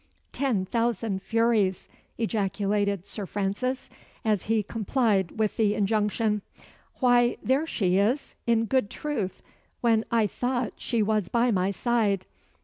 "Ten thousand furies!" ejaculated Sir Francis, as he complied with the injunction. "Why, there she is, in good truth, when I thought she was by my side.